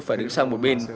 tôi phải đứng sang một bên